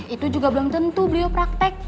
itu juga belum tentu beliau praktek